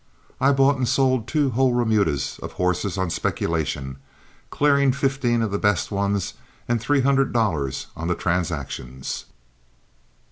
I bought and sold two whole remudas of horses on speculation, clearing fifteen of the best ones and three hundred dollars on the transactions.